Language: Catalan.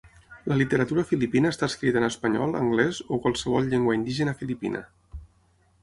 La literatura filipina està escrita en espanyol, anglès o qualsevol llengua indígena filipina.